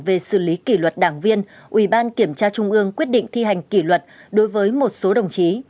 về xử lý kỷ luật đảng viên ủy ban kiểm tra trung ương quyết định thi hành kỷ luật đối với một số đồng chí